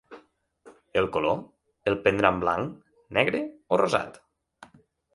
El color, el prendran blanc, negre o rosat?